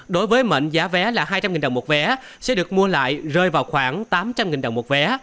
đối với mệnh giá vé là hai trăm linh đồng một vé sẽ được mua lại rơi vào khoảng tám trăm linh đồng một vé